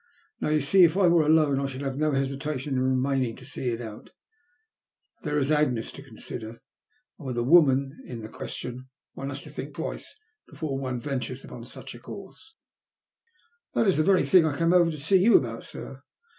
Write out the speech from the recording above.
Now, you see, if I were alone I should have no hesita tion in remaining to see it out — but there is Agnes to consider ; and, with a woman in the question, one has to think twice before one ventures upon such a course," " That is the very thing I came over to see you about, sir.